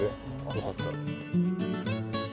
よかったら。